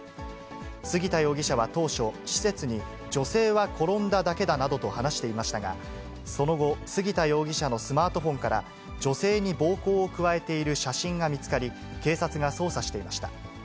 杉田容疑者は当初、施設に女性は転んだだけだなどと話していましたが、その後、杉田容疑者のスマートフォンから女性に暴行を加えている写真が見つかり、警察が捜査していました。